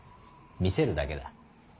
見せるだけだ。